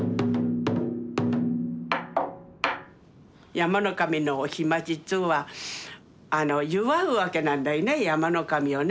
山の神のお日待ちっつうんは祝うわけなんだいね山の神をね。